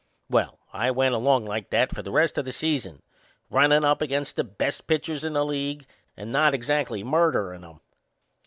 Well, I went along like that for the rest o' the season, runnin' up against the best pitchers in the league and not exactly murderin' 'em.